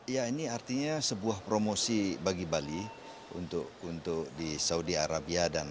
ya ini artinya sebuah promosi bagi bali untuk di saudi arabia